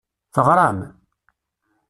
Teɣṛam?